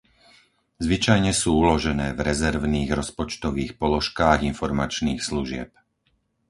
Zvyčajne sú uložené v rezervných rozpočtových položkách informačných služieb.